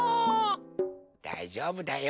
だいじょうぶだよ。